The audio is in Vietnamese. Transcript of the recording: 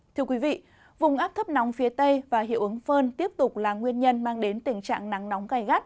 thưa quý vị vùng áp thấp nóng phía tây và hiệu ứng phơn tiếp tục là nguyên nhân mang đến tình trạng nắng nóng gai gắt